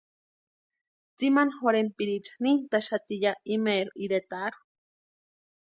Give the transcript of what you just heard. Tsimani jorhentpiriicha nintʼaxati ya imaeri iretarhu.